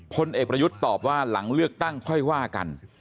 พลเอกประยุทธ์ตอบว่าหลังเลือกตั้งค่อยว่ากัน